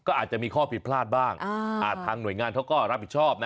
ก็อาจจะมีข้อผิดพลาดบ้างทางหน่วยงานเขาก็รับผิดชอบนะ